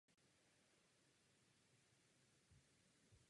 Jako zelenina se využívají mladé zelené výhony.